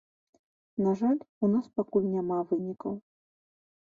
На жаль, у нас пакуль няма вынікаў.